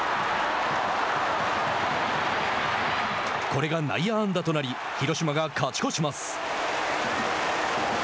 これが内野安打となり広島が勝ち越します。